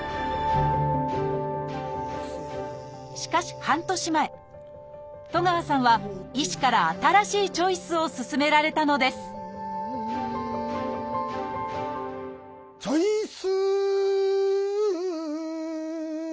しかし半年前東川さんは医師から新しいチョイスを勧められたのですチョイス